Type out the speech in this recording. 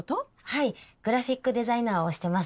はいグラフィックデザイナーをしてます。